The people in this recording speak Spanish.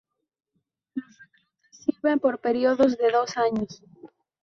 Los reclutas sirven por periodos de dos años.